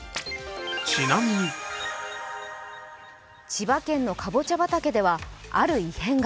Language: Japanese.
千葉県のかぼちゃ畑では、ある異変が。